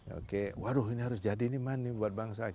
oke waduh ini harus jadi nih man buat bangsa